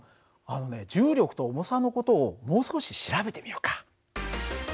あのね重力と重さの事をもう少し調べてみようか。